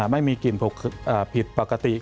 ไม่มีกลิ่นผิดปกติ